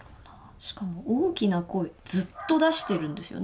しかも大きな声ずっと出してるんですよね。